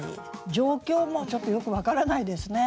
状況もちょっとよく分からないですね。